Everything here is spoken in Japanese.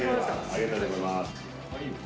ありがとうございます。